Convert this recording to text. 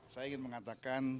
saya ingin mengatakan